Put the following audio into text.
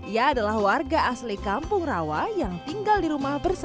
ia adalah warga asli kampung rawa yang tinggal di rumah bersama